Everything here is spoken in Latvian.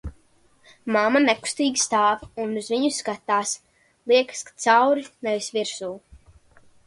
Mamma nekustīgi stāv un uz viņu skatās, liekas, ka cauri, nevis virsū.